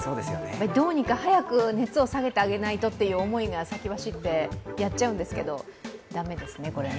どうにか早く熱を下げないとという思いが先走ってやっちゃうんですけど駄目ですね。